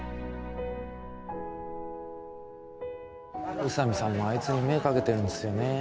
宇佐美さんもあいつに目かけてるんですよね